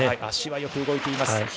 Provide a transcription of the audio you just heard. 足はよく動いています。